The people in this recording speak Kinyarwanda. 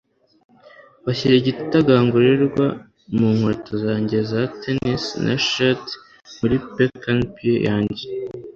Bashyira igitagangurirwa mu nkweto zanjye za tennis na shit muri pecan pie yanjye